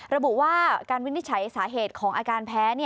ระบุว่าการวินิจฉัยสาเหตุของอาการแพ้